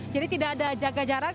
jadi tidak ada jaga jarak